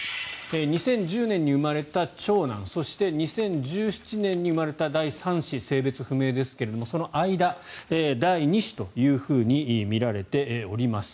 ２０１０年に生まれた長男そして２０１７年に生まれた第３子性別不明ですがその間の第２子とみられています。